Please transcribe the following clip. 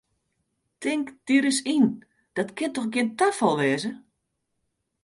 Tink dy ris yn, dat kin dochs gjin tafal wêze!